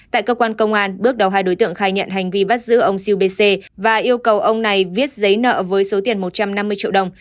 tại cơ quan công an bước đầu hai đối tượng khai nhận hành vi bắt giữ ông siêu b c và yêu cầu ông này viết giấy nợ với số tiền một trăm năm mươi triệu đồng